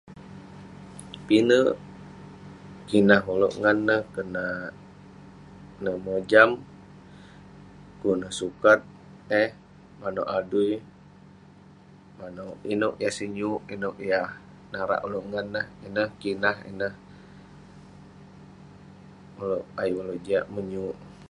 Pinek kinah ulouk ngan neh..konak neh mojam, pu'kuk neh sukat eh manouk adui, manouk inouk yah senuk, inouk yah narak ulouk ngan neh..ineh kinah, ineh ayuk ulouk jiak menyuk